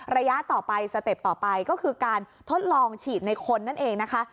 ระยะต่อไปสเต็ปต่อไปก็คือการทดลองฉีดในคนนั่นเองนะคะ